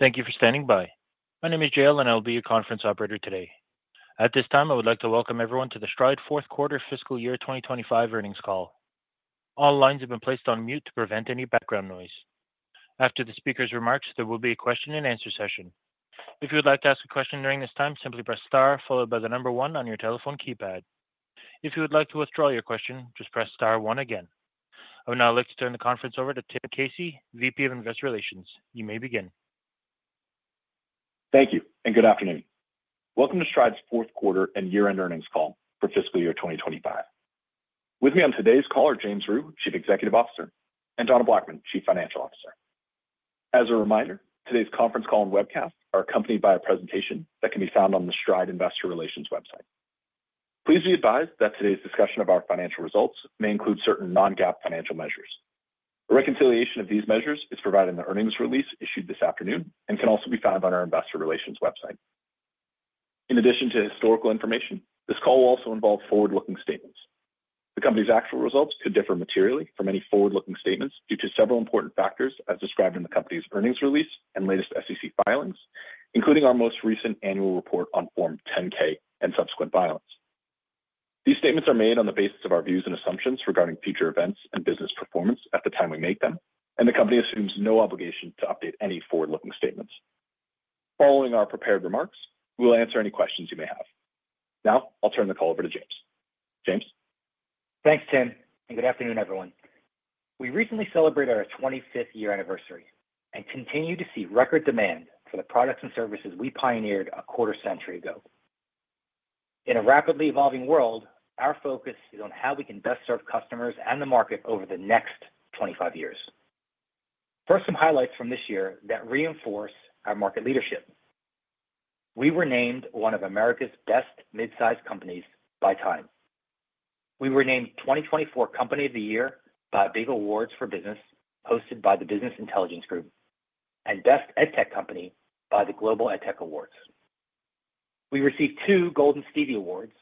Thank you for standing by. My name is Jael and I will be your conference operator today. At this time, I would like to welcome everyone to the Stride Fourth Quarter Fiscal Year 2025 Earnings Call. All lines have been placed on mute to prevent any background noise. After the speaker's remarks, there will be a question-and-answer session. If you would like to ask a question during this time, simply press star followed by the number one on your telephone keypad. If you would like to withdraw your question, just press star one again. I would now like to turn the conference over to Tim Casey, Vice President of Investor Relations. You may begin. Thank you and good afternoon. Welcome to Stride's Fourth Quarter and Year-End Earnings Call for Fiscal Year 2025. With me on today's call are James Rhyu, Chief Executive Officer, and Donna Blackman, Chief Financial Officer. As a reminder, today's conference call and webcast are accompanied by a presentation that can be found on the Stride Investor Relations website. Please be advised that today's discussion of our financial results may include certain non-GAAP financial measures. A reconciliation of these measures is provided in the earnings release issued this afternoon and can also be found on our Investor Relations website. In addition to historical information, this call will also involve forward-looking statements. The company's actual results could differ materially from any forward-looking statements due to several important factors as described in the company's earnings release and latest SEC filings, including our most recent annual report on Form 10-K and subsequent filings. These statements are made on the basis of our views and assumptions regarding future events and business performance at the time we make them, and the company assumes no obligation to update any forward-looking statements. Following our prepared remarks, we'll answer any questions you may have. Now, I'll turn the call over to James. James. Thanks, Tim, and good afternoon, everyone. We recently celebrated our 25th year anniversary and continue to see record demand for the products and services we pioneered a quarter-century ago. In a rapidly evolving world, our focus is on how we can best serve customers and the market over the next 25 years. First, some highlights from this year that reinforce our market leadership. We were named one of America's best mid-sized companies by TIME. We were named 2024 Company of the Year by the Business Intelligence Group's Big Awards for Business, and Best EdTech Company by the Global EdTech Awards. We received two Golden Stevie Awards,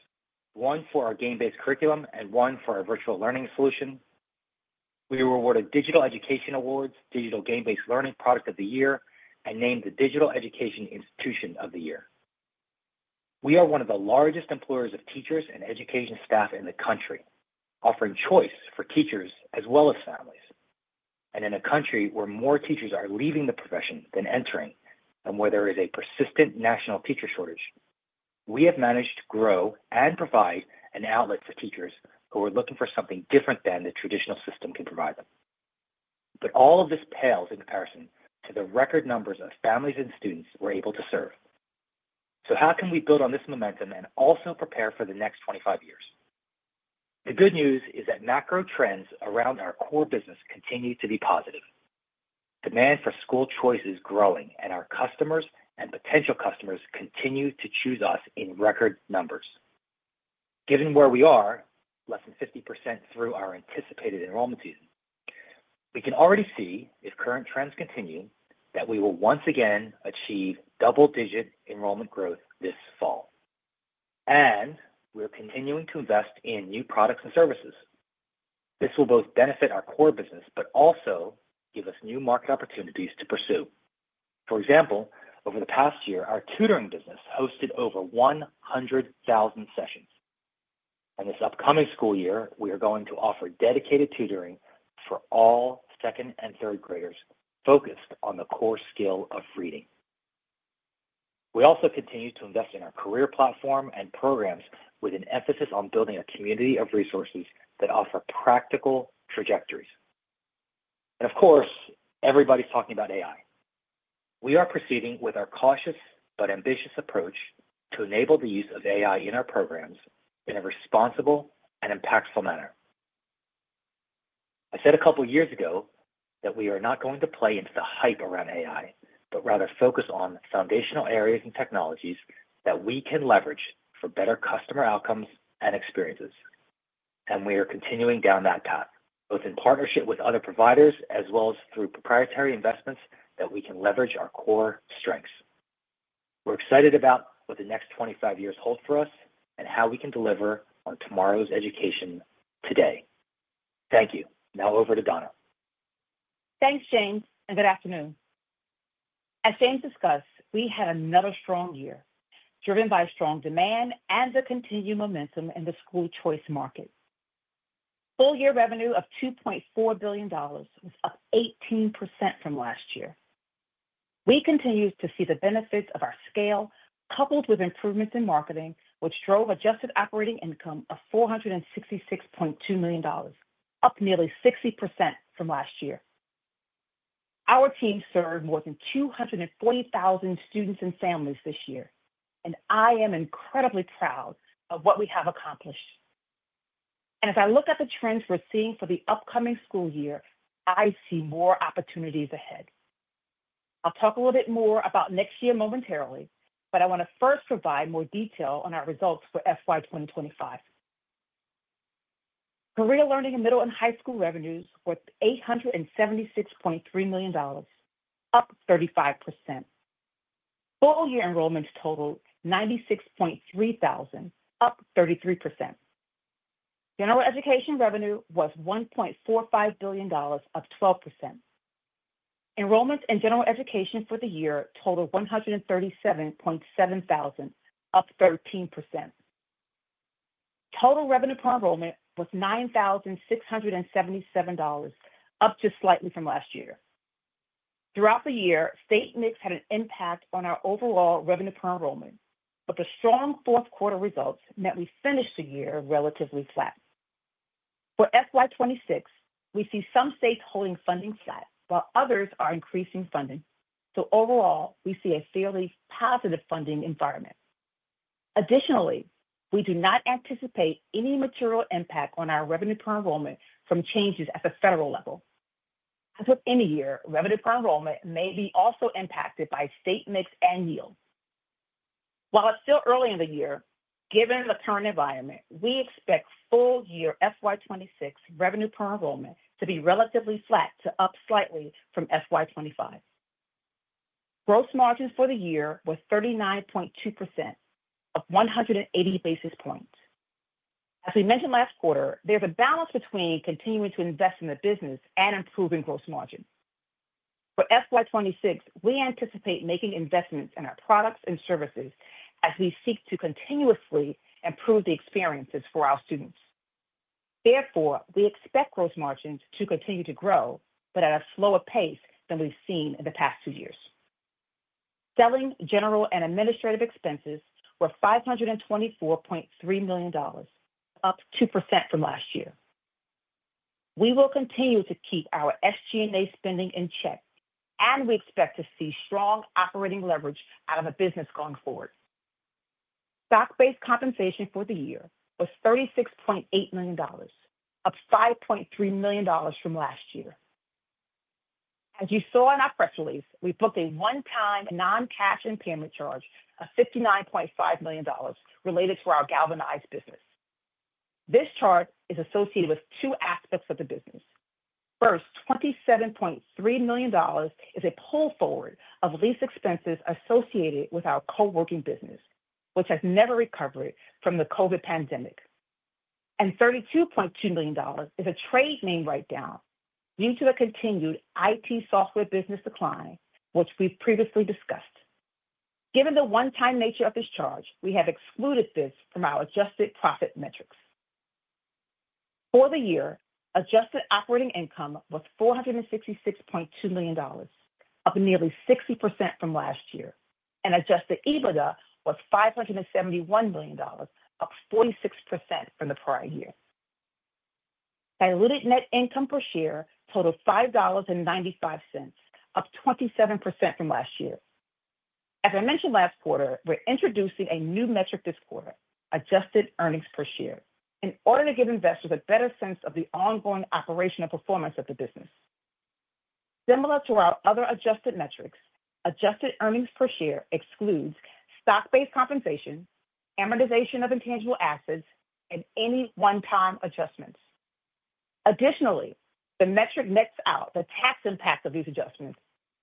one for our game-based curriculum and one for our virtual learning solution. We were awarded Digital Education Awards, Digital Game-Based Learning Product of the Year, and named the Digital Education Institution of the Year. We are one of the largest employers of teachers and education staff in the country, offering choice for teachers as well as families. In a country where more teachers are leaving the profession than entering, and where there is a persistent national teacher shortage, we have managed to grow and provide an outlet to teachers who are looking for something different than the traditional system can provide them. All of this pales in comparison to the record numbers of families and students we're able to serve. How can we build on this momentum and also prepare for the next 25 years? The good news is that macro trends around our core business continue to be positive. Demand for school choice is growing, and our customers and potential customers continue to choose us in record numbers. Given where we are, less than 50% through our anticipated enrollment season, we can already see, if current trends continue, that we will once again achieve double-digit enrollment growth this fall. We're continuing to invest in new products and services. This will both benefit our core business, but also give us new market opportunities to pursue. For example, over the past year, our tutoring business hosted over 100,000 sessions. This upcoming school year, we are going to offer dedicated tutoring for all second and third graders focused on the core skill of reading. We also continue to invest in our career platform and programs with an emphasis on building a community of resources that offer practical trajectories. Of course, everybody's talking about AI. We are proceeding with our cautious but ambitious approach to enable the use of AI in our programs in a responsible and impactful manner. I said a couple of years ago that we are not going to play into the hype around AI, but rather focus on foundational areas and technologies that we can leverage for better customer outcomes and experiences. We are continuing down that path, both in partnership with other providers as well as through proprietary investments that we can leverage our core strengths. We're excited about what the next 25 years hold for us and how we can deliver on tomorrow's education today. Thank you. Now over to Donna. Thanks, James, and good afternoon. As James discussed, we had another strong year, driven by strong demand and the continued momentum in the school choice market. Full-year revenue of $2.4 billion was up 18% from last year. We continue to see the benefits of our scale coupled with improvements in marketing, which drove adjusted operating income of $466.2 million, up nearly 60% from last year. Our team served more than 240,000 students and families this year, and I am incredibly proud of what we have accomplished. As I look at the trends we're seeing for the upcoming school year, I see more opportunities ahead. I'll talk a little bit more about next year momentarily, but I want to first provide more detail on our results for fiscal year 2025. Career Learning and middle and high school revenues were $876.3 million, up 35%. Full-year enrollments totaled 96,300, up 33%. General Education revenue was $1.45 billion, up 12%. Enrollments in General Education for the year totaled 137,700, up 13%. Total revenue per enrollment was $9,677, up just slightly from last year. Throughout the year, state mix had an impact on our overall revenue per enrollment, but the strong fourth quarter results meant we finished the year relatively flat. For FY 2026, we see some states holding funding flat, while others are increasing funding. Overall, we see a fairly positive funding environment. Additionally, we do not anticipate any material impact on our revenue per enrollment from changes at the federal level. As with any year, revenue per enrollment may also be impacted by state mix and yield. While it's still early in the year, given the current environment, we expect full-year FY 2026 revenue per enrollment to be relatively flat to up slightly from FY 2025. Gross margins for the year were 39.2%, up 180 basis points. As we mentioned last quarter, there's a balance between continuing to invest in the business and improving gross margins. For FY 2026, we anticipate making investments in our products and services as we seek to continuously improve the experiences for our students. Therefore, we expect gross margins to continue to grow, but at a slower pace than we've seen in the past two years. Selling, general, and administrative expenses were $524.3 million, up 2% from last year. We will continue to keep our SG&A spending in check, and we expect to see strong operating leverage out of the business going forward. Stock-based compensation for the year was $36.8 million, up $5.3 million from last year. As you saw in our press release, we booked a one-time non-cash impairment charge of $59.5 million related to our galvanized business. This charge is associated with two aspects of the business. First, $27.3 million is a pull forward of lease expenses associated with our coworking business, which has never recovered from the COVID pandemic. $32.2 million is a trade name write-down due to the continued IT software business decline, which we've previously discussed. Given the one-time nature of this charge, we have excluded this from our adjusted profit metrics. For the year, adjusted operating income was $466.2 million, up nearly 60% from last year, and adjusted EBITDA was $571 million, up 46% from the prior year. Diluted net income per share totaled $5.95, up 27% from last year. As I mentioned last quarter, we're introducing a new metric this quarter, adjusted earnings per share, in order to give investors a better sense of the ongoing operational performance of the business. Similar to our other adjusted metrics, adjusted earnings per share excludes stock-based compensation, amortization of intangible assets, and any one-time adjustments. Additionally, the metric nets out the tax impact of these adjustments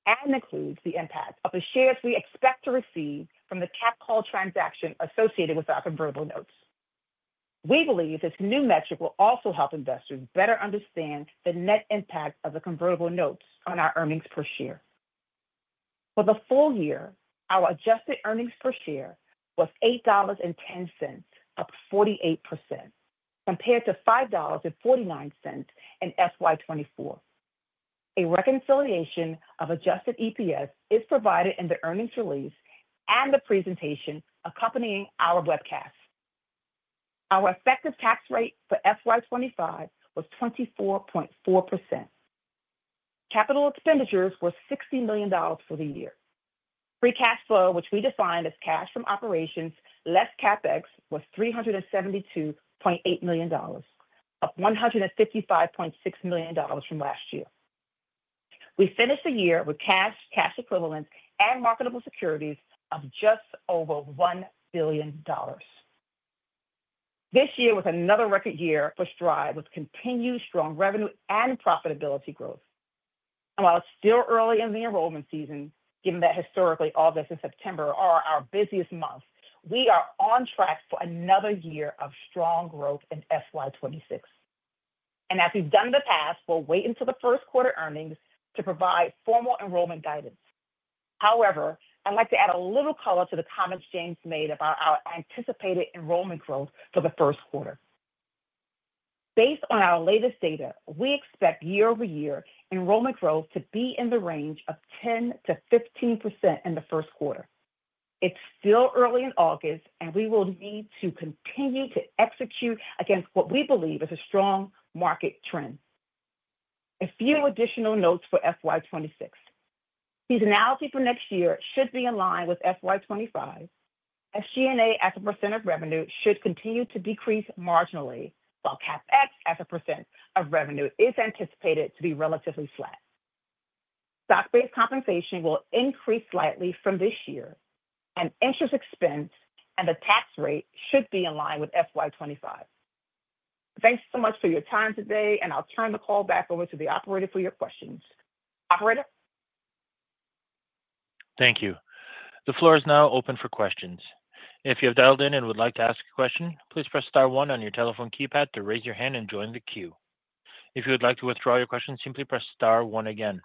and includes the impact of the shares we expect to receive from the cap call transaction associated with our convertible notes. We believe this new metric will also help investors better understand the net impact of the convertible notes on our earnings per share. For the full year, our adjusted earnings per share was $8.10, up 48%, compared to $5.49 in FY 2024. A reconciliation of adjusted EPS is provided in the earnings release and the presentation accompanying our webcast. Our effective tax rate for FY 2025 was 24.4%. Capital expenditures were $60 million for the year. Free cash flow, which we defined as cash from operations, less CapEx, was $372.8 million, up $155.6 million from last year. We finished the year with cash, cash equivalents, and marketable securities of just over $1 billion. This year was another record year for Stride with continued strong revenue and profitability growth. While it's still early in the enrollment season, given that historically August and September are our busiest months, we are on track for another year of strong growth in FY 2026. As we've done in the past, we'll wait until the first quarter earnings to provide formal enrollment guidance. However, I'd like to add a little color to the comments James made about our anticipated enrollment growth for the first quarter. Based on our latest data, we expect year-over-year enrollment growth to be in the range of 10%-15% in the first quarter. It's still early in August, and we will need to continue to execute against what we believe is a strong market trend. A few additional notes for FY 2026: seasonality for next year should be in line with FY 2025. SG&A as 1% of revenue should continue to decrease marginally, while CapEx as 1% of revenue is anticipated to be relatively flat. Stock-based compensation will increase slightly from this year, and interest expense and the tax rate should be in line with FY 2025. Thanks so much for your time today, and I'll turn the call back over to the operator for your questions. Operator? Thank you. The floor is now open for questions. If you have dialed in and would like to ask a question, please press star one on your telephone keypad to raise your hand and join the queue. If you would like to withdraw your question, simply press star one again.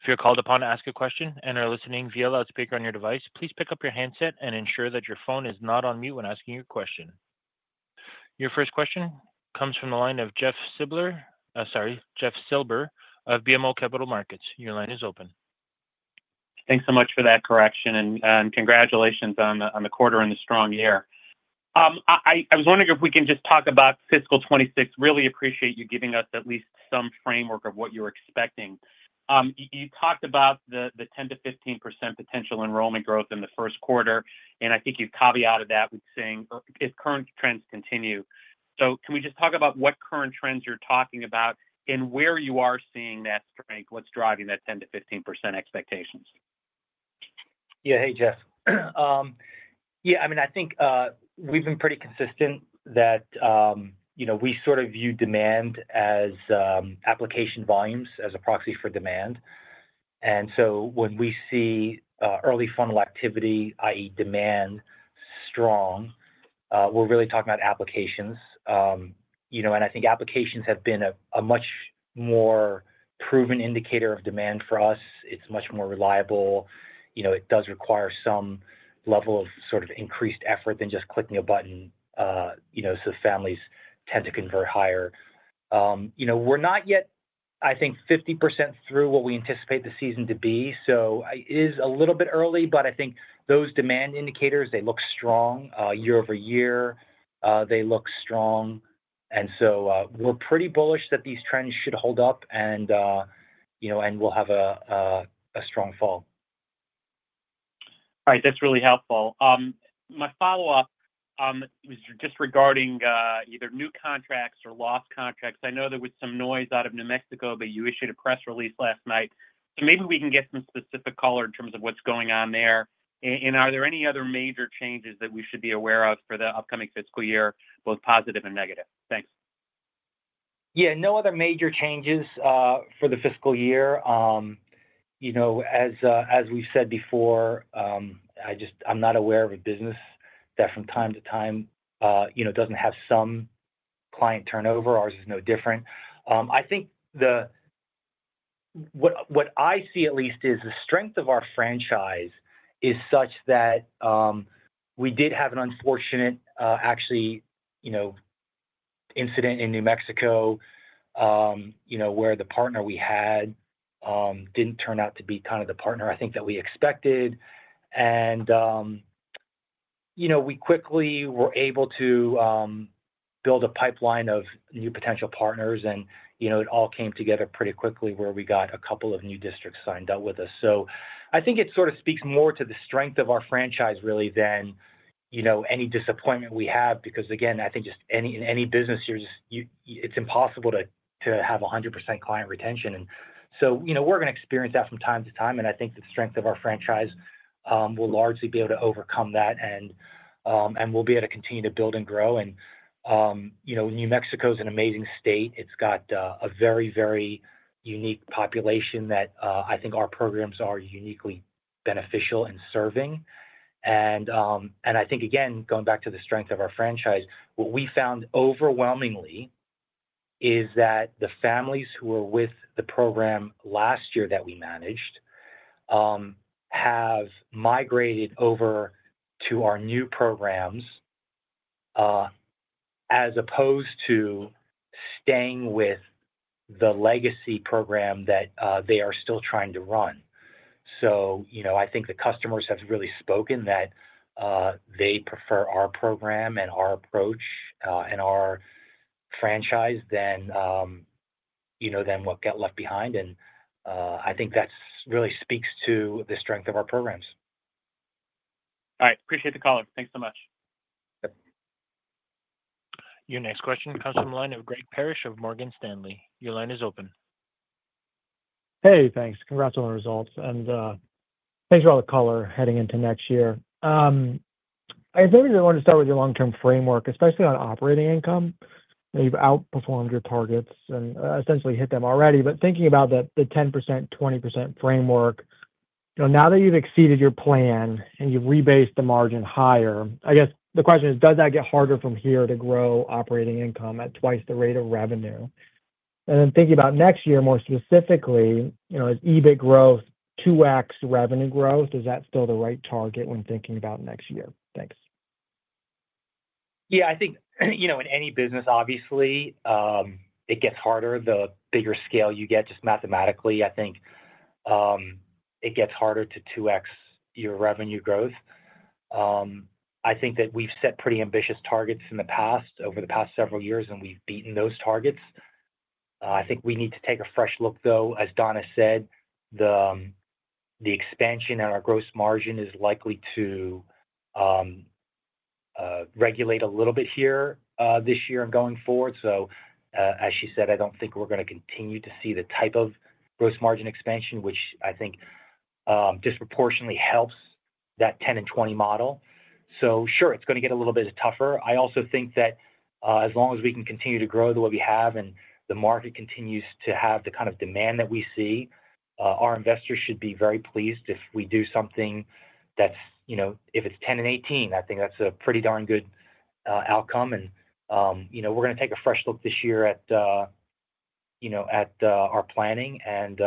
If you're called upon to ask a question and are listening via loudspeaker on your device, please pick up your handset and ensure that your phone is not on mute when asking your question. Your first question comes from the line of Jeff Silber of BMO Capital Markets. Your line is open. Thanks so much for that correction and congratulations on the quarter and the strong year. I was wondering if we can just talk about fiscal 2026. Really appreciate you giving us at least some framework of what you're expecting. You talked about the 10%-15% potential enrollment growth in the first quarter, and I think you've caveated that with saying if current trends continue. Can we just talk about what current trends you're talking about and where you are seeing that strength, what's driving that 10%-15% expectations? Yeah, hey Jeff. I think we've been pretty consistent that we sort of view demand as application volumes as a proxy for demand. When we see early funnel activity, i.e., demand strong, we're really talking about applications. I think applications have been a much more proven indicator of demand for us. It's much more reliable. It does require some level of sort of increased effort than just clicking a button. Families tend to convert higher. We're not yet, I think, 50% through what we anticipate the season to be. It is a little bit early, but I think those demand indicators, they look strong year-over-year. They look strong. We're pretty bullish that these trends should hold up and we'll have a strong fall. All right, that's really helpful. My follow-up was just regarding either new contracts or lost contracts. I know there was some noise out of New Mexico, but you issued a press release last night. Maybe we can get some specific color in terms of what's going on there. Are there any other major changes that we should be aware of for the upcoming fiscal year, both positive and negative? Thanks. Yeah, no other major changes for the fiscal year. As we've said before, I'm not aware of a business that from time to time doesn't have some client turnover. Ours is no different. What I see at least is the strength of our franchise is such that we did have an unfortunate incident in New Mexico, where the partner we had didn't turn out to be the partner I think that we expected. We quickly were able to build a pipeline of new potential partners, and it all came together pretty quickly where we got a couple of new districts signed up with us. I think it sort of speaks more to the strength of our franchise really than any disappointment we have, because again, in any business, it's impossible to have 100% client retention. We're going to experience that from time to time, and I think the strength of our franchise will largely be able to overcome that, and we'll be able to continue to build and grow. New Mexico is an amazing state. It's got a very, very unique population that I think our programs are uniquely beneficial in serving. Again, going back to the strength of our franchise, what we found overwhelmingly is that the families who were with the program last year that we managed have migrated over to our new programs as opposed to staying with the legacy program that they are still trying to run. I think the customers have really spoken that they prefer our program and our approach and our franchise than what got left behind. I think that really speaks to the strength of our programs. All right, appreciate the call. Thanks so much. Your next question comes from the line of Greg Parrish of Morgan Stanley. Your line is open. Hey, thanks. Congrats on the results and thanks for all the color heading into next year. I think I want to start with your long-term framework, especially on operating income. You've outperformed your targets and essentially hit them already. Thinking about the 10%, 20% framework, now that you've exceeded your plan and you've rebased the margin higher, I guess the question is, does that get harder from here to grow operating income at twice the rate of revenue? Thinking about next year, more specifically, is EBIT growth 2X revenue growth? Is that still the right target when thinking about next year? Thanks. Yeah, I think, you know, in any business, obviously, it gets harder. The bigger scale you get, just mathematically, I think it gets harder to 2X your revenue growth. I think that we've set pretty ambitious targets in the past over the past several years, and we've beaten those targets. I think we need to take a fresh look, though. As Donna said, the expansion on our gross margin is likely to regulate a little bit here this year and going forward. As she said, I don't think we're going to continue to see the type of gross margin expansion, which I think disproportionately helps that 10 and 20 model. It's going to get a little bit tougher. I also think that as long as we can continue to grow the way we have and the market continues to have the kind of demand that we see, our investors should be very pleased if we do something that's, you know, if it's 10 and 18, I think that's a pretty darn good outcome. We're going to take a fresh look this year at our planning, and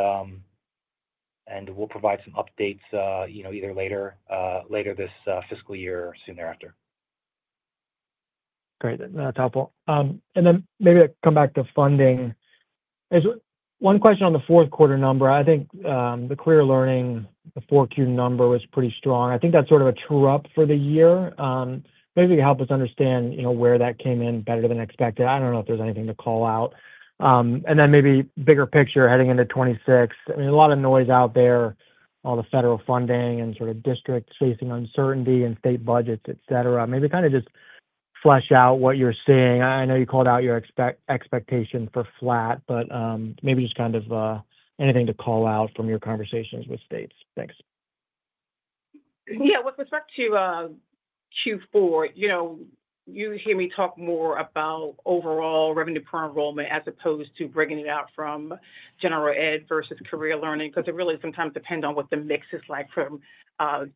we'll provide some updates, you know, either later this fiscal year or soon thereafter. Great. That's helpful. Maybe to come back to funding, one question on the fourth quarter number. I think the Career Learning, the 4Q number was pretty strong. I think that's sort of a true-up for the year. Maybe you can help us understand where that came in better than expected. I don't know if there's anything to call out. Maybe bigger picture heading into 2026. I mean, a lot of noise out there, all the federal funding and sort of districts facing uncertainty and state budgets, etc. Maybe kind of just flesh out what you're seeing. I know you called out your expectation for flat, but maybe just kind of anything to call out from your conversations with states. Thanks. Yeah, with respect to Q4, you hear me talk more about overall revenue per enrollment as opposed to bringing it out from General Education versus Career Learning because it really sometimes depends on what the mix is like from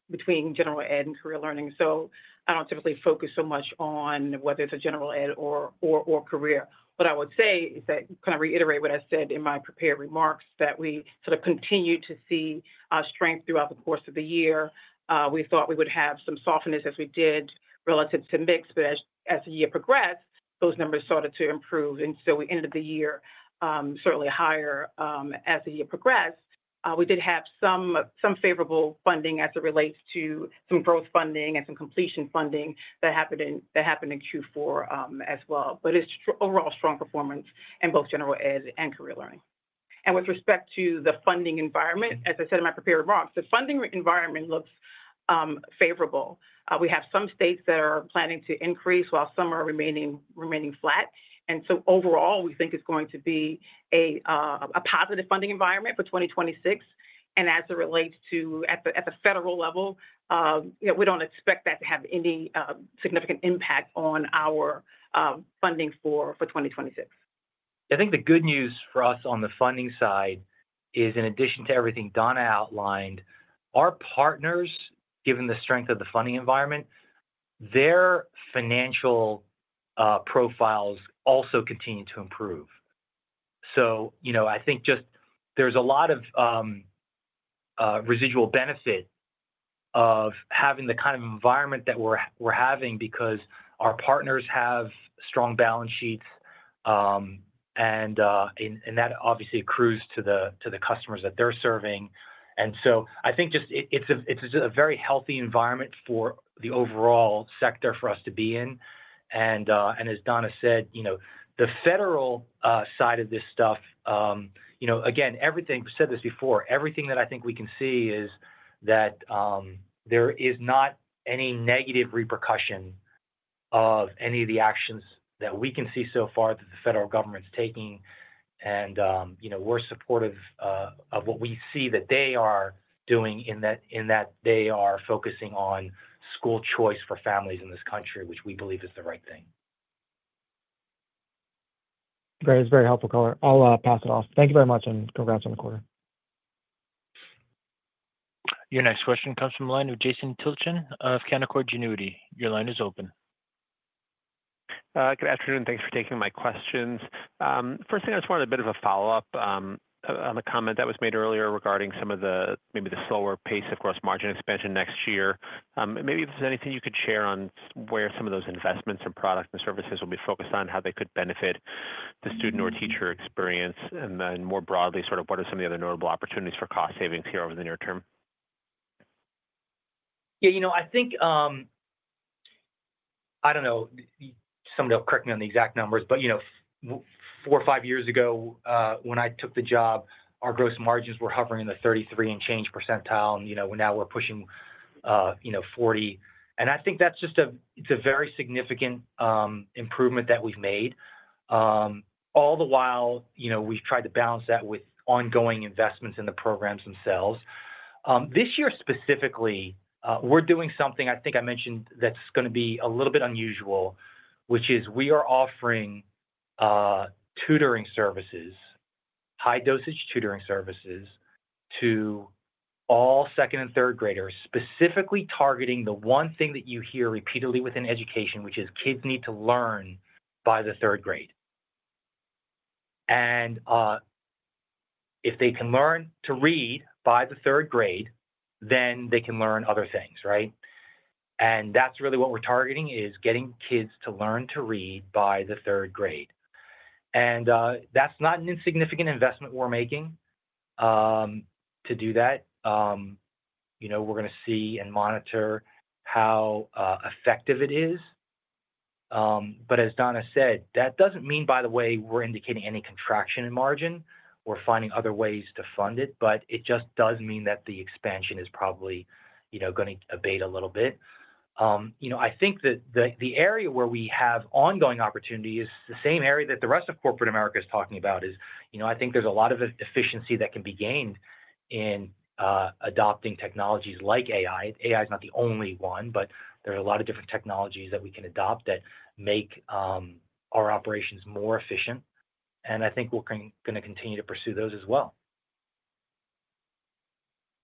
between General Education and Career Learning. I don't typically focus so much on whether it's General Education or Career Learning. What I would say is that, kind of reiterate what I said in my prepared remarks, that we sort of continue to see strength throughout the course of the year. We thought we would have some softness as we did relative to mix, but as the year progressed, those numbers started to improve. We ended the year certainly higher as the year progressed. We did have some favorable funding as it relates to some growth funding and some completion funding that happened in Q4 as well. It's overall strong performance in both General Education and Career Learning. With respect to the funding environment, as I said in my prepared remarks, the funding environment looks favorable. We have some states that are planning to increase, while some are remaining flat. Overall, we think it's going to be a positive funding environment for 2026. As it relates to at the federal level, we don't expect that to have any significant impact on our funding for 2026. I think the good news for us on the funding side is, in addition to everything Donna outlined, our partners, given the strength of the funding environment, their financial profiles also continue to improve. I think just there's a lot of residual benefit of having the kind of environment that we're having because our partners have strong balance sheets, and that obviously accrues to the customers that they're serving. I think just it's a very healthy environment for the overall sector for us to be in. As Donna said, the federal side of this stuff, everything we said before, everything that I think we can see is that there is not any negative repercussion of any of the actions that we can see so far that the federal government's taking. We're supportive of what we see that they are doing in that they are focusing on school choice for families in this country, which we believe is the right thing. Great. It's very helpful color. I'll pass it off. Thank you very much, and congrats on the quarter. Your next question comes from a line of Jason Tilchen of Canaccord Genuity. Your line is open. Good afternoon. Thanks for taking my questions. First thing, I just wanted a bit of a follow-up on the comment that was made earlier regarding maybe the slower pace of gross margin expansion next year. Maybe if there's anything you could share on where some of those investments in products and services will be focused on, how they could benefit the student or teacher experience, and then more broadly, what are some of the other notable opportunities for cost savings here over the near term? Yeah, I think, I don't know, somebody else correct me on the exact numbers, but four or five years ago, when I took the job, our gross margins were hovering in the 33% and change percentile, and now we're pushing 40%. I think that's just a very significant improvement that we've made. All the while, we've tried to balance that with ongoing investments in the programs themselves. This year specifically, we're doing something I think I mentioned that's going to be a little bit unusual, which is we are offering tutoring services, high-dosage tutoring services to all second and third graders, specifically targeting the one thing that you hear repeatedly within education, which is kids need to learn by the third grade. If they can learn to read by the third grade, then they can learn other things, right? That's really what we're targeting, getting kids to learn to read by the third grade. That's not an insignificant investment we're making to do that. We're going to see and monitor how effective it is. As Donna said, that doesn't mean, by the way, we're indicating any contraction in margin. We're finding other ways to fund it, but it just does mean that the expansion is probably going to abate a little bit. I think that the area where we have ongoing opportunity is the same area that the rest of corporate America is talking about. I think there's a lot of efficiency that can be gained in adopting technologies like AI. AI is not the only one, but there's a lot of different technologies that we can adopt that make our operations more efficient. I think we're going to continue to pursue those as well.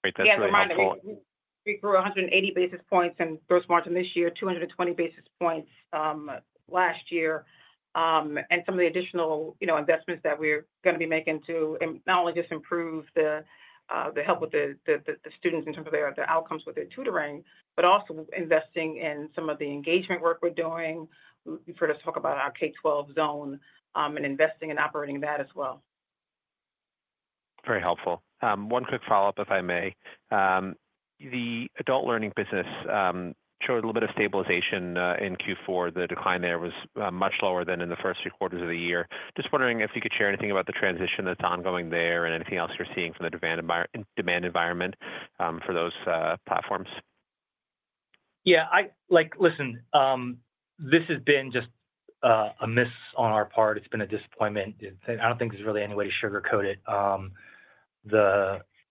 Yeah, it's reminding me, we grew 180 basis points in gross margin this year, 220 basis points last year, and some of the additional investments that we're going to be making to not only just improve the help with the students in terms of their outcomes with their tutoring, but also investing in some of the engagement work we're doing. You've heard us talk about our K12 zone and investing in operating that as well. Very helpful. One quick follow-up, if I may. The Adult Learning business showed a little bit of stabilization in Q4. The decline there was much lower than in the first three quarters of the year. Just wondering if you could share anything about the transition that's ongoing there and anything else you're seeing from the demand environment for those platforms. Yeah, listen, this has been just a miss on our part. It's been a disappointment. I don't think there's really any way to sugarcoat it.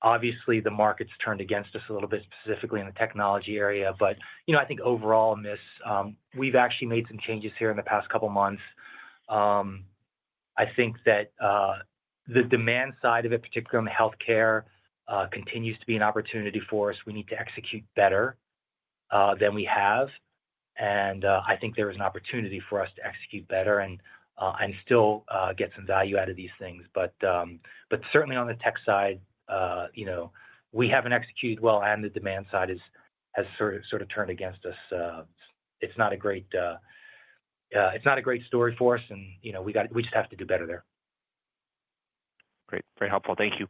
Obviously, the market's turned against us a little bit, specifically in the technology area, but I think overall a miss. We've actually made some changes here in the past couple of months. I think that the demand side of it, particularly on the healthcare, continues to be an opportunity for us. We need to execute better than we have. I think there is an opportunity for us to execute better and still get some value out of these things. Certainly on the tech side, we haven't executed well, and the demand side has sort of turned against us. It's not a great story for us, and we just have to do better there. Great. Very helpful. Thank you.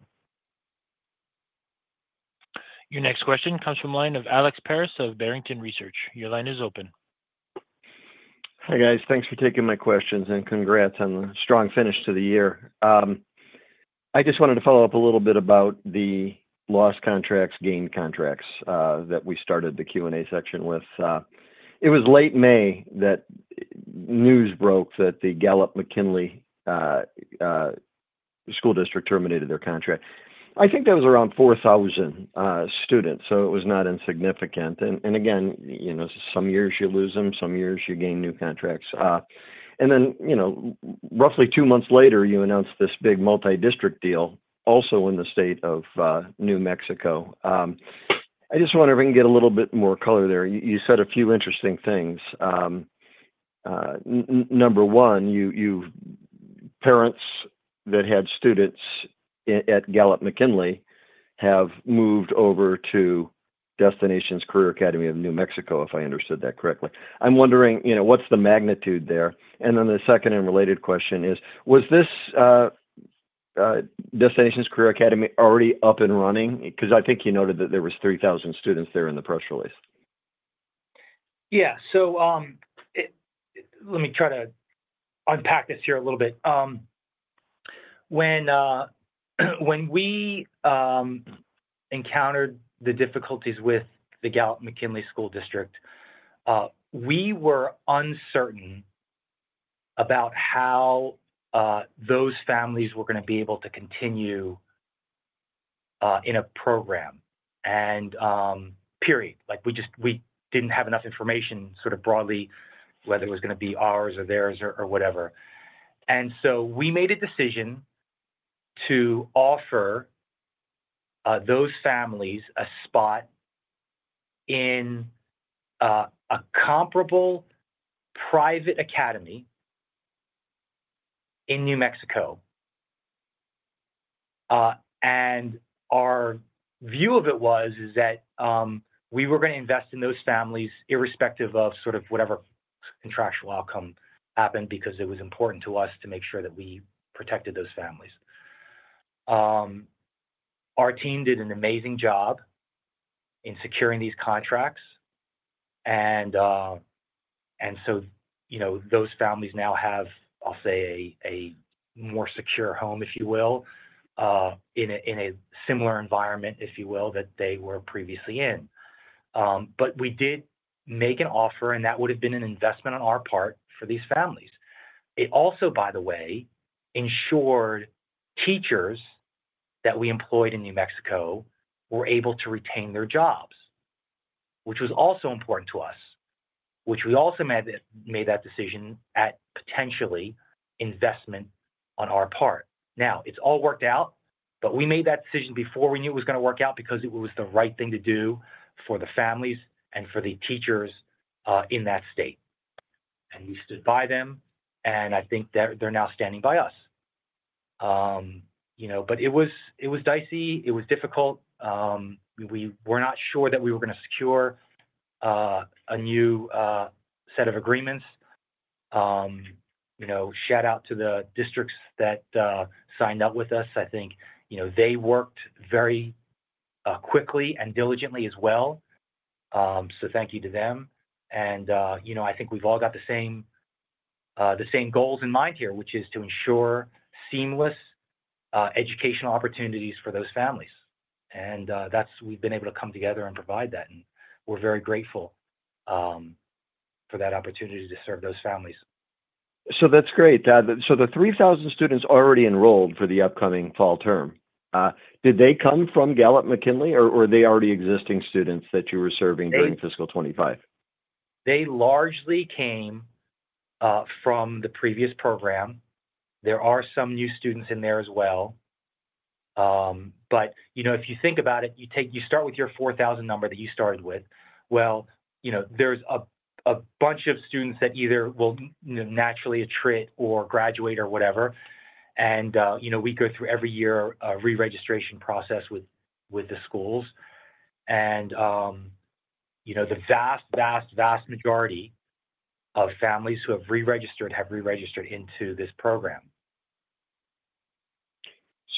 Your next question comes from a line of Alex Paris of Barrington Research. Your line is open. Hi guys, thanks for taking my questions and congrats on the strong finish to the year. I just wanted to follow up a little bit about the lost contracts, gained contracts that we started the Q&A section with. It was late May that news broke that the Gallup-McKinley School District terminated their contract. I think that was around 4,000 students, so it was not insignificant. Some years you lose them, some years you gain new contracts. Roughly two months later, you announced this big multi-district deal, also in the state of New Mexico. I just wonder if I can get a little bit more color there. You said a few interesting things. Number one, you said parents that had students at Gallup-McKinley have moved over to Destinations Career Academy of New Mexico, if I understood that correctly. I'm wondering, what's the magnitude there? The second unrelated question is, was this Destinations Career Academy already up and running? I think you noted that there were 3,000 students there in the press release. Yeah, so let me try to unpack this here a little bit. When we encountered the difficulties with the Gallup-McKinley School District, we were uncertain about how those families were going to be able to continue in a program, period. We just didn't have enough information, sort of broadly, whether it was going to be ours or theirs or whatever. We made a decision to offer those families a spot in a comparable private academy in New Mexico. Our view of it was that we were going to invest in those families, irrespective of whatever contractual outcome happened, because it was important to us to make sure that we protected those families. Our team did an amazing job in securing these contracts. Those families now have, I'll say, a more secure home, if you will, in a similar environment, if you will, that they were previously in. We did make an offer, and that would have been an investment on our part for these families. It also, by the way, ensured teachers that we employed in New Mexico were able to retain their jobs, which was also important to us, which we also made that decision at potentially investment on our part. Now, it's all worked out, but we made that decision before we knew it was going to work out because it was the right thing to do for the families and for the teachers in that state. We stood by them, and I think they're now standing by us. It was dicey. It was difficult. We were not sure that we were going to secure a new set of agreements. Shout out to the districts that signed up with us. I think they worked very quickly and diligently as well. Thank you to them. I think we've all got the same goals in mind here, which is to ensure seamless educational opportunities for those families. We've been able to come together and provide that. We're very grateful for that opportunity to serve those families. That's great. The 3,000 students already enrolled for the upcoming fall term, did they come from Gallup-McKinley or were they already existing students that you were serving during fiscal 2025? They largely came from the previous program. There are some new students in there as well. If you think about it, you start with your 4,000 number that you started with. There are a bunch of students that either will naturally attrit or graduate or whatever. We go through every year a re-registration process with the schools. The vast, vast, vast majority of families who have re-registered have re-registered into this program.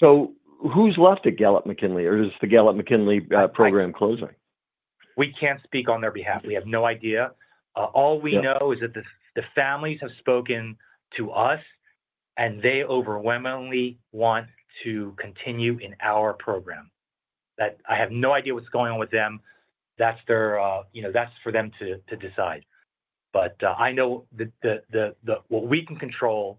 Who is left at Gallup-McKinley, or is the Gallup-McKinley program closing? We can't speak on their behalf. We have no idea. All we know is that the families have spoken to us, and they overwhelmingly want to continue in our program. I have no idea what's going on with them. That's for them to decide. I know that what we can control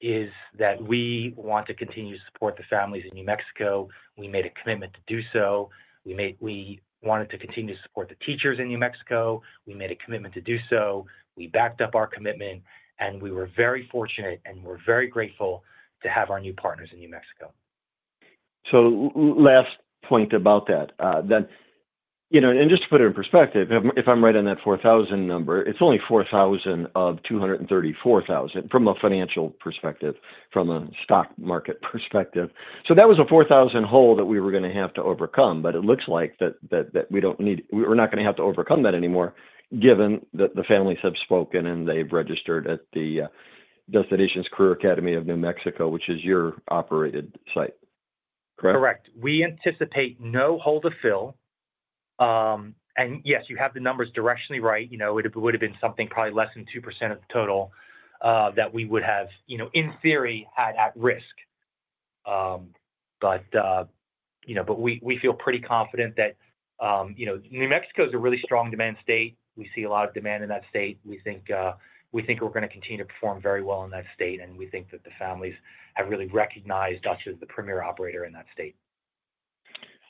is that we want to continue to support the families in New Mexico. We made a commitment to do so. We wanted to continue to support the teachers in New Mexico. We made a commitment to do so. We backed up our commitment. We were very fortunate, and we're very grateful to have our new partners in New Mexico. The last point about that, just to put it in perspective, if I'm right on that 4,000 number, it's only 4,000 of 234,000 from a financial perspective, from a stock market perspective. That was a 4,000 hole that we were going to have to overcome. It looks like we don't need, we're not going to have to overcome that anymore, given that the families have spoken and they've registered at the Destinations Career Academy of New Mexico, which is your operated site. Correct. We anticipate no hole to fill. Yes, you have the numbers directionally right. It would have been something probably less than 2% of the total that we would have, in theory, had at risk. We feel pretty confident that New Mexico is a really strong demand state. We see a lot of demand in that state. We think we're going to continue to perform very well in that state. We think that the families have really recognized us as the premier operator in that state.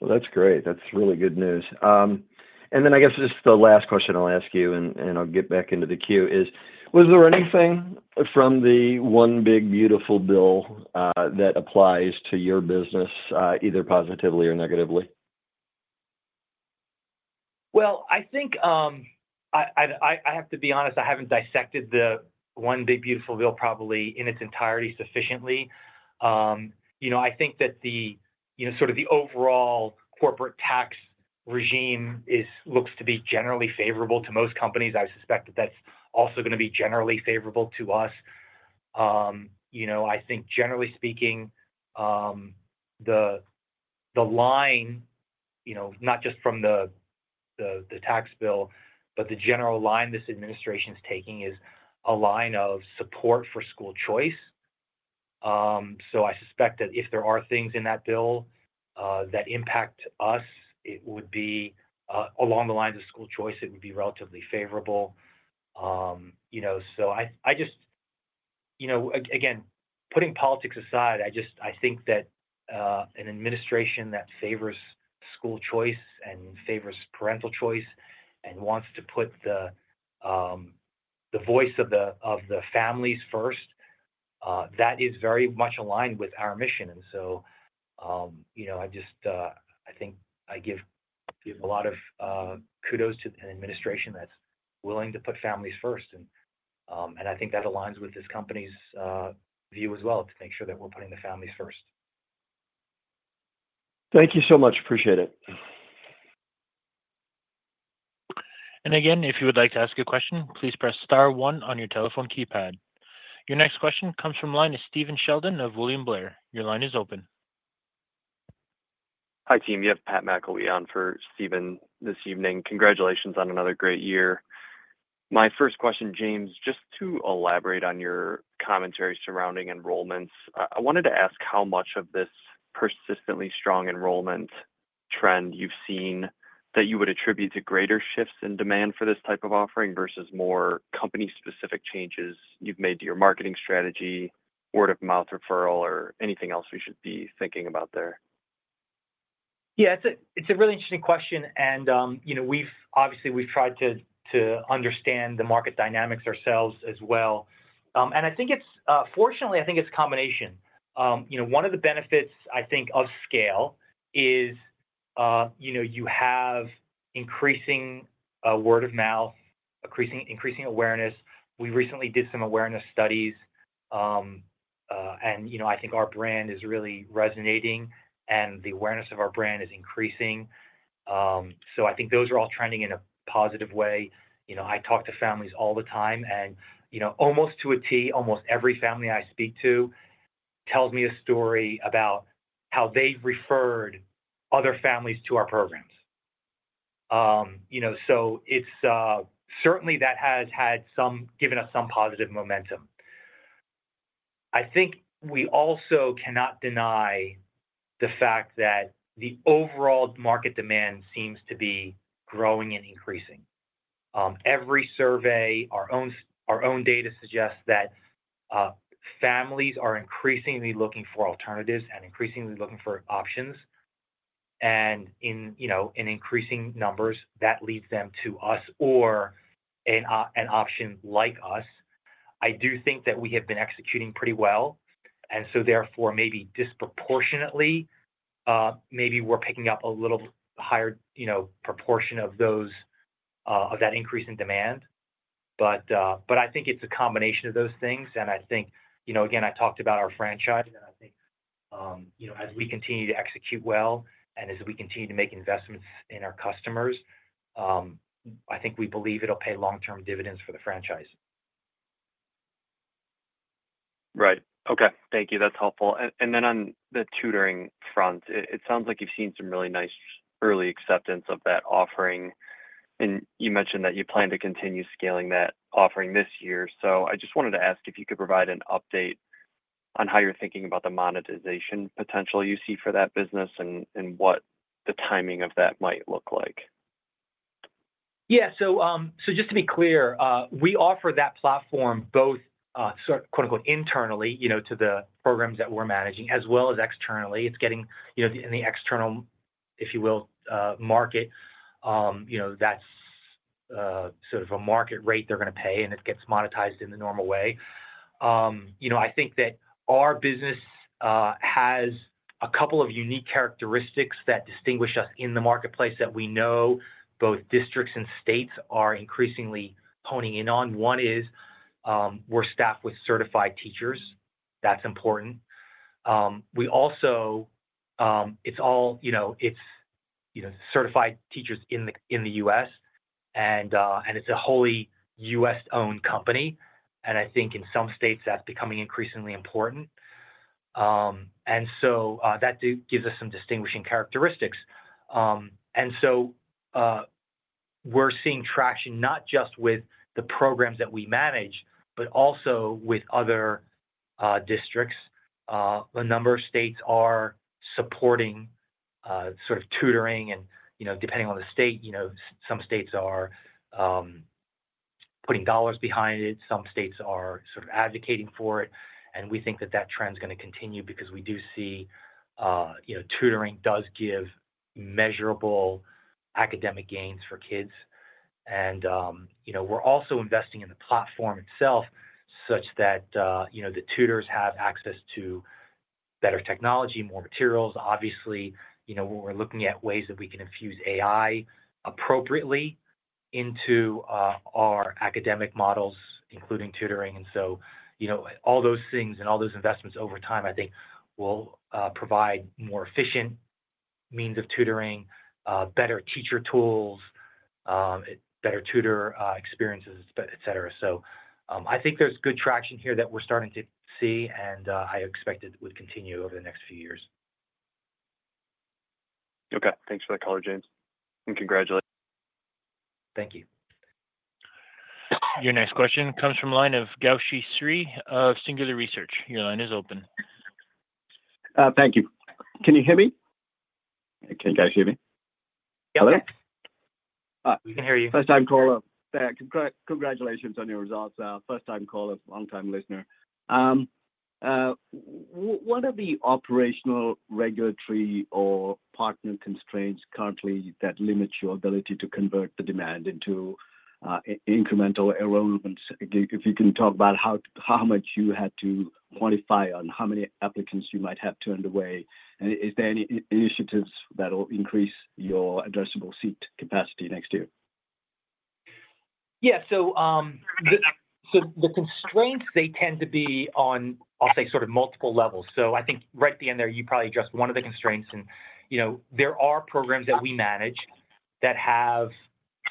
That's great. That's really good news. I guess just the last question I'll ask you, and I'll get back into the queue, is, was there anything from the one big beautiful bill that applies to your business, either positively or negatively? I think I have to be honest, I haven't dissected the one big beautiful bill probably in its entirety sufficiently. I think that the overall corporate tax regime looks to be generally favorable to most companies. I suspect that that's also going to be generally favorable to us. I think generally speaking, the line, not just from the tax bill, but the general line this administration is taking is a line of support for school choice. I suspect that if there are things in that bill that impact us, it would be along the lines of school choice. It would be relatively favorable. I just, again, putting politics aside, I think that an administration that favors school choice and favors parental choice and wants to put the voice of the families first, that is very much aligned with our mission. I think I give a lot of kudos to an administration that's willing to put families first. I think that aligns with this company's view as well to make sure that we're putting the families first. Thank you so much. Appreciate it. If you would like to ask a question, please press star one on your telephone keypad. Your next question comes from the line of Steven Sheldon of William Blair. Your line is open. Hi team, you have Pat McIlwee on for Steven this evening. Congratulations on another great year. My first question, James, just to elaborate on your commentary surrounding enrollments, I wanted to ask how much of this persistently strong enrollment trend you've seen that you would attribute to greater shifts in demand for this type of offering versus more company-specific changes you've made to your marketing strategy, word of mouth referral, or anything else we should be thinking about there? Yeah, it's a really interesting question. Obviously, we've tried to understand the market dynamics ourselves as well. I think it's, fortunately, a combination. One of the benefits of scale is you have increasing word of mouth, increasing awareness. We recently did some awareness studies, and I think our brand is really resonating and the awareness of our brand is increasing. I think those are all trending in a positive way. I talk to families all the time and, almost to a tee, almost every family I speak to tells me a story about how they referred other families to our programs. Certainly, that has given us some positive momentum. I think we also cannot deny the fact that the overall market demand seems to be growing and increasing. Every survey, our own data suggests that families are increasingly looking for alternatives and increasingly looking for options. In increasing numbers, that leads them to us or an option like us. I do think that we have been executing pretty well. Therefore, maybe disproportionately, maybe we're picking up a little higher proportion of that increase in demand. I think it's a combination of those things. I talked about our franchise. As we continue to execute well and as we continue to make investments in our customers, we believe it'll pay long-term dividends for the franchise. Right. Okay. Thank you. That's helpful. On the tutoring front, it sounds like you've seen some really nice early acceptance of that offering. You mentioned that you plan to continue scaling that offering this year. I just wanted to ask if you could provide an update on how you're thinking about the monetization potential you see for that business and what the timing of that might look like. Yeah, just to be clear, we offer that platform both, sort of quote-unquote, internally to the programs that we're managing, as well as externally. It's getting, in the external, if you will, market. That's sort of a market rate they're going to pay and it gets monetized in the normal way. I think that our business has a couple of unique characteristics that distinguish us in the marketplace that we know both districts and states are increasingly honing in on. One is we're staffed with certified teachers. That's important. It's all certified teachers in the U.S., and it's a wholly U.S.-owned company. I think in some states, that's becoming increasingly important. That gives us some distinguishing characteristics. We're seeing traction not just with the programs that we manage, but also with other districts. A number of states are supporting tutoring and, depending on the state, some states are putting dollars behind it. Some states are advocating for it. We think that trend is going to continue because we do see tutoring does give measurable academic gains for kids. We're also investing in the platform itself such that the tutors have access to better technology, more materials. Obviously, we're looking at ways that we can infuse AI appropriately into our academic models, including tutoring. All those things and all those investments over time, I think, will provide more efficient means of tutoring, better teacher tools, better tutor experiences, et cetera. I think there's good traction here that we're starting to see and I expect it would continue over the next few years. Okay, thanks for the call, James, and congratulations. Thank you. Your next question comes from a line of Gowshi Sri of Singular Research. Your line is open. Thank you. Can you hear me? Can you guys hear me? Yep. Hello? We can hear you. First-time caller. Thanks. Congratulations on your results. First-time caller, long-time listener. What are the operational, regulatory, or partner constraints currently that limit your ability to convert the demand into incremental enrollments? If you can talk about how much you had to quantify on how many applicants you might have turned away. Is there any initiatives that will increase your addressable seat capacity next year? Yeah, so the constraints, they tend to be on, I'll say, sort of multiple levels. I think right at the end there, you probably addressed one of the constraints. You know, there are programs that we manage that have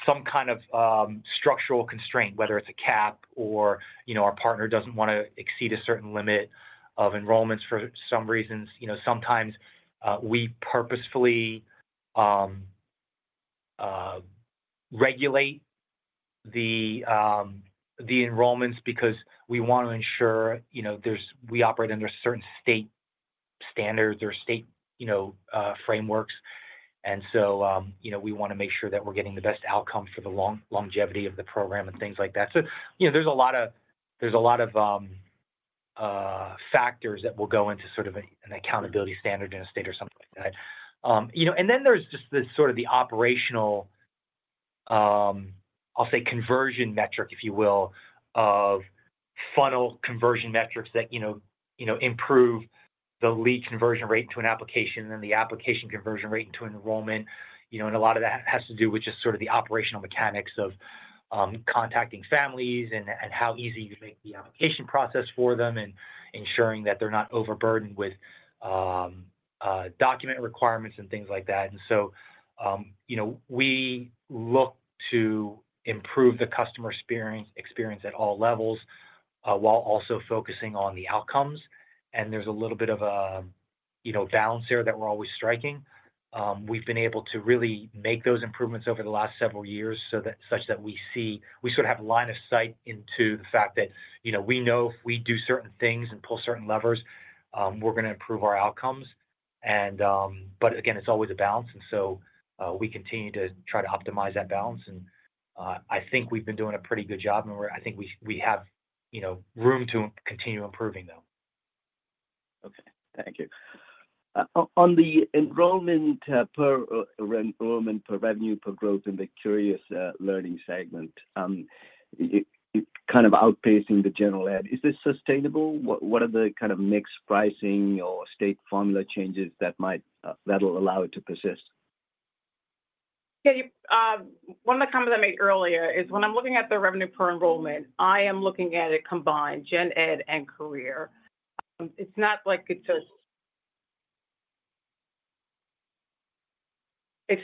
some kind of structural constraint, whether it's a cap or, you know, our partner doesn't want to exceed a certain limit of enrollments for some reasons. Sometimes we purposefully regulate the enrollments because we want to ensure, you know, we operate under certain state standards or state frameworks. We want to make sure that we're getting the best outcome for the longevity of the program and things like that. There are a lot of factors that will go into sort of an accountability standard in a state or something like that. Then there's just the sort of the operational, I'll say, conversion metric, if you will, of funnel conversion metrics that improve the lead conversion rate to an application and then the application conversion rate into enrollment. A lot of that has to do with just sort of the operational mechanics of contacting families and how easy you make the application process for them and ensuring that they're not overburdened with document requirements and things like that. We look to improve the customer experience at all levels while also focusing on the outcomes. There's a little bit of a balance there that we're always striking. We've been able to really make those improvements over the last several years such that we see, we sort of have a line of sight into the fact that, you know, we know if we do certain things and pull certain levers, we're going to improve our outcomes. Again, it's always a balance. We continue to try to optimize that balance. I think we've been doing a pretty good job and I think we have room to continue improving them. Okay. Thank you. On the enrollment per enrollment per revenue per growth in the Career Learning segment, kind of outpacing the General Education, is this sustainable? What are the kind of mixed pricing or state formula changes that might allow it to persist? Yeah, one of the comments I made earlier is when I'm looking at the revenue per enrollment, I am looking at it combined General Education and Career Learning. It's not like it's just, it's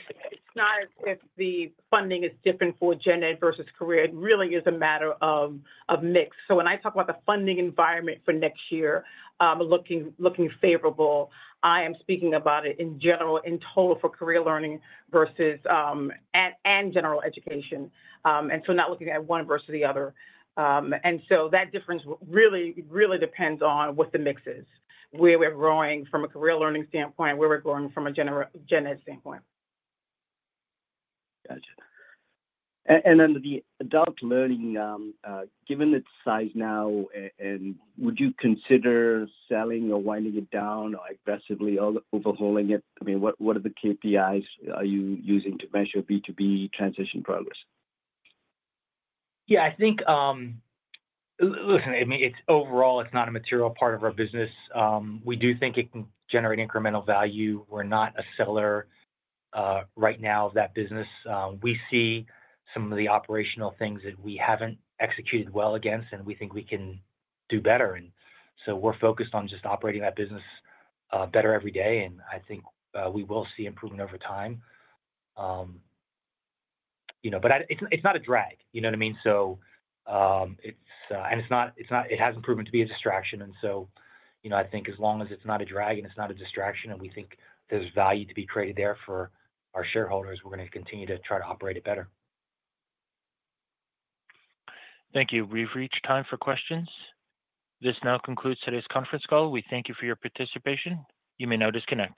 not as if the funding is different for General Education versus Career Learning. It really is a matter of mix. When I talk about the funding environment for next year, I'm looking favorable. I am speaking about it in general in total for Career Learning versus and General Education, not looking at one versus the other. That difference really, really depends on what the mix is, where we're growing from a Career Learning standpoint, where we're growing from a General Education standpoint. Gotcha. The Adult Learning, given its size now, would you consider selling or winding it down or aggressively overhauling it? What are the KPIs you're using to measure B2B transition progress? I think, listen, overall, it's not a material part of our business. We do think it can generate incremental value. We're not a seller right now of that business. We see some of the operational things that we haven't executed well against, and we think we can do better. We're focused on just operating that business better every day. I think we will see improvement over time. It's not a drag, you know what I mean? It's not, it hasn't proven to be a distraction. I think as long as it's not a drag and it's not a distraction, and we think there's value to be created there for our shareholders, we're going to continue to try to operate it better. Thank you. We've reached time for questions. This now concludes today's conference call. We thank you for your participation. You may now disconnect.